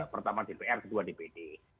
pertama dpr kedua dpd